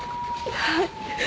はい。